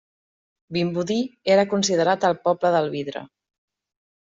Vimbodí era considerat el poble del vidre.